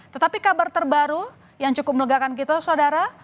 tetapi kabar terbaru yang cukup melegakan kita saudara